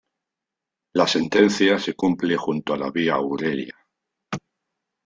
La sentencia se cumple junto a la vía Aurelia.